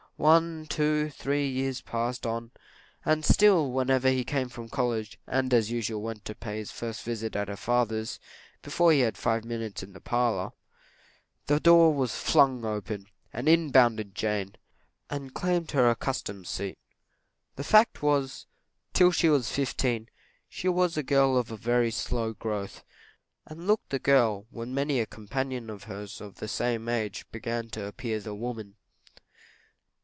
One, two, three years passed on, and still, whenever he came from college, and as usual went to pay his first visit at her father's, before he had been five minutes in the parlour, the door was flung open, and in bounded Jane, and claimed her accustomed seat. The fact was, till she was fifteen, she was a girl of a very slow growth, and looked the girl when many a companion of hers of the same age began to appear the woman.